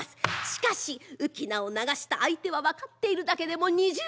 しかし浮き名を流した相手は分かっているだけでも２０人。